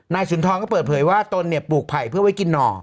สุนทรก็เปิดเผยว่าตนเนี่ยปลูกไผ่เพื่อไว้กินหน่อ